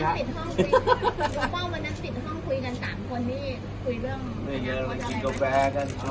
หรือว่าวันนั้นติดห้องคุยกัน๓คน